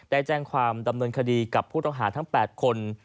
ได้แจ้งความดำเนินคดีกับผู้ต้องหาทั้ง๘คน